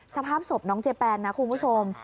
สภาพศพน้องเจแปนนะคุณผู้ชม